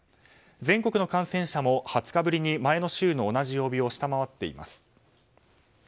全国の感染者も２０日ぶりに前の週の同じ曜日を下回っています。